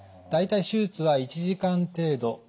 大体手術は１時間程度。